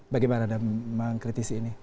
bagaimana memang kritisi ini